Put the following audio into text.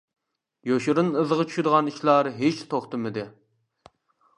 يوشۇرۇن ئىزىغا چۈشىدىغان ئىشلار ھېچ توختىمىدى.